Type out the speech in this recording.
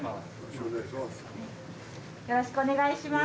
よろしくお願いします。